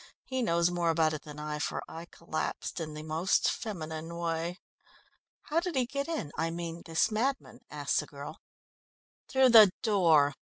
He knows more about it than I, for I collapsed in the most feminine way." "How did he get in I mean this madman?" asked the girl. "Through the door."